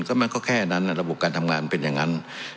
ก็มันก็แค่นั้นระบบการทำงานเป็นอย่างนั้น